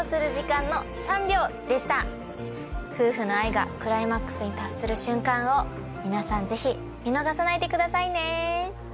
夫婦の愛がクライマックスに達する瞬間を皆さんぜひ見逃さないでくださいね。